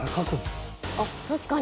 あっ確かに。